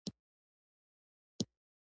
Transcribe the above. پکې آر این اې شتون لري.